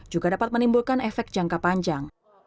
juga dapat menimbulkan efek jangka panjang